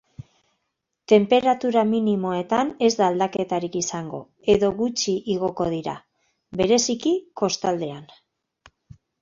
Tenperatura minimoetan ez da aldaketarik izango edo gutxi igoko dira, bereziki kostaldean.